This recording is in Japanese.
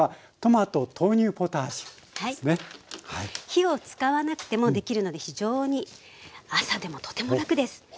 火を使わなくてもできるので非常に朝でもとても楽です。